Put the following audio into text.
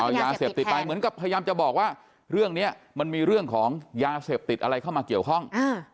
เอายาเสพติดไปเหมือนกับพยายามจะบอกว่าเรื่องนี้มันมีเรื่องของยาเสพติดอะไรเข้ามาเกี่ยวข้อง